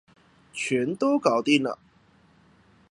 全都搞定了